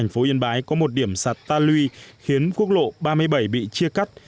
phố yên bái có một điểm sặt ta lùi khiến quốc lộ ba mươi bảy bị chia cắt